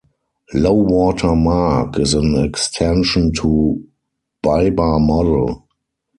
Low-water mark is an extension to Biba Model.